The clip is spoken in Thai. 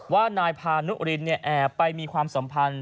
ว่านายพานุรินแอบไปมีความสัมพันธ์